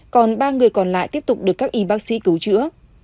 còn ba người còn lại tiếp tục được các y bác sĩ cứu chữa